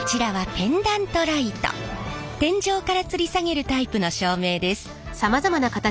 天井からつり下げるタイプの照明です。